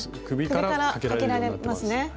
首からかけられますね。